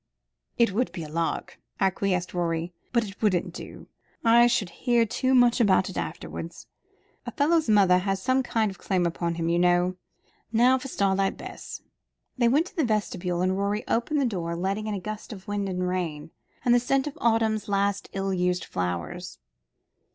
"It would be a lark," acquiesced Rorie, "but it wouldn't do; I should hear too much about it afterwards. A fellow's mother has some kind of claim upon him, you know. Now for Starlight Bess." They went into the vestibule, and Rorie opened the door, letting in a gust of wind and rain, and the scent of autumn's last ill used flowers.